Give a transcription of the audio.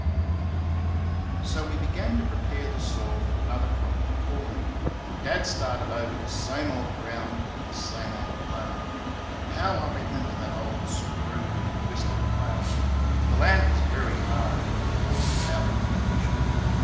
So we began to prepare the soil for another crop of corn, and Dad started over the same old ground with the same old plough. How I remember that old, screwed and twisted plough! The land was very hard, and the horses out of condition.